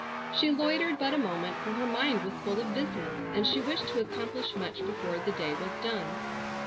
She loitered but a moment, for her mind was full of business, and she wished to accomplish much before the day was done.